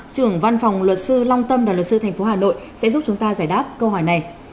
trưởng văn phòng luật sư long tâm và luật sư thành phố hà nội sẽ giúp chúng ta giải đáp câu hỏi này